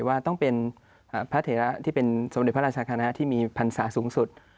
ว่าต้องเป็นพระเถระที่เป็นสมเดยพระราชกาฤทธิ์ที่มีพันธิษภาสูงสุด